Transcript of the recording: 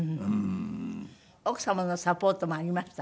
奥様のサポートもありました？